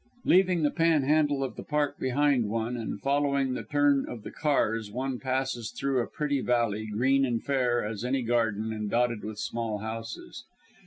Leaving the pan handle of the Park behind one, and following the turn of the cars, one passes through a pretty valley, green and fair as any garden, and dotted with small houses.